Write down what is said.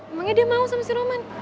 emangnya dia mau sama si roman